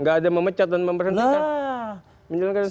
nggak ada memecat dan memperhentikan